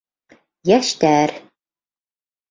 Йәштәр!